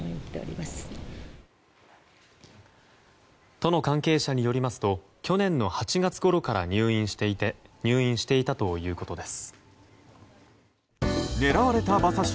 都の関係者によりますと去年の８月ごろから入院していたということです。